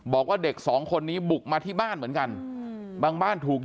บอกว่าเด็กสองคนนี้บุกมาที่บ้านเหมือนกันบางบ้านถูก